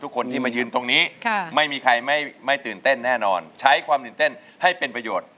ทุกคนที่มายืนตรงนี้ไม่มีใครไม่ตื่นเต้นแน่นอนใช้ความตื่นเต้นให้เป็นประโยชน์